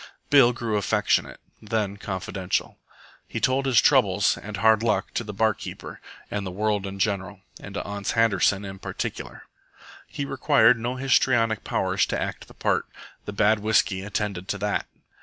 Bill grew affectionate, then confidential. He told his troubles and hard luck to the bar keeper and the world in general, and to Ans Handerson in particular. He required no histrionic powers to act the part. The bad whisky attended to that.